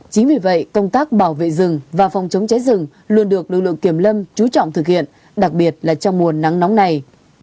chính vì vậy công tác bảo vệ rừng và phòng chống cháy rừng luôn được lực lượng kiểm lâm chú trọng thực hiện đặc biệt là trong mùa nắng nóng này